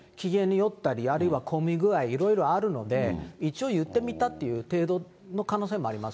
その日の担当者の機嫌によったり、あるいは混み具合、いろいろあるので、一応言ってみたっていう程度の可能性もあります。